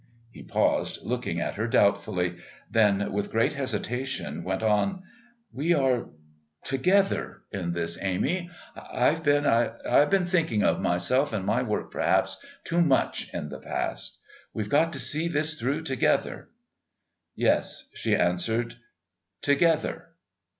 He paused, looked at her doubtfully, then with great hesitation went on: "We are together in this, Amy. I've been I've been thinking of myself and my work perhaps too much in the past. We've got to see this through together." "Yes," she answered, "together."